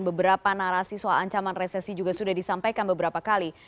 beberapa narasi soal ancaman resesi juga sudah disampaikan beberapa kali